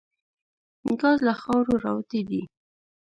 ګاز له خاورو راوتي دي.